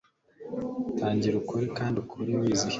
tangira ukore kandi ukore wizihiwe